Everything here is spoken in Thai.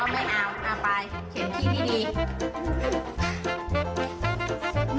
พี่ปี๊จะทำอย่างไรนั่งให้น้องหน่อย